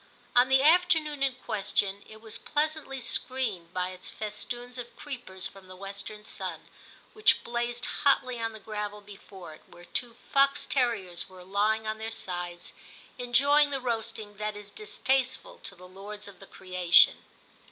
On the afternoon in question it was pleasantly screened by its festoons of creepers from the western sun, which blazed hotly on the gravel before it, where two fox terriers were lying on their sides enjoying the roasting that is distasteful to the lords of the creation.